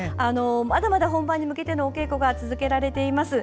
まだまだ、本番に向けての稽古が続いています。